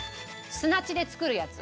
砂地で作るやつ。